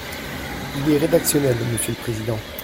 Il est rédactionnel, monsieur le président.